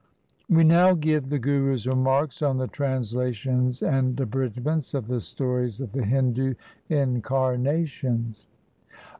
We now give the Guru's remarks on the transla tions and abridgements of the stories of the Hindu incarnations.